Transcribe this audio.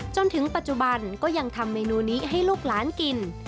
จนถึงปัจจุบันก็ยังทำเมนูนี้ให้ลูกหลานกิน